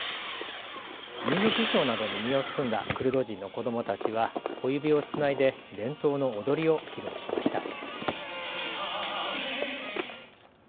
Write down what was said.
民族衣装などに身を包んだクルド人の子どもたちは小指をつないで伝統の踊りを披露しました。